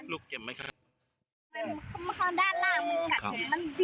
แล้ว